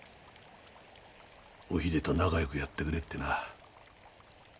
おひでと仲よくやってくれってな。